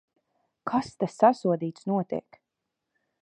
Kas te, sasodīts, notiek?